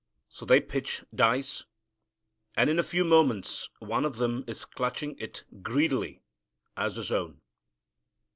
So they pitch dice, and in a few moments one of them is clutching it greedily as his own.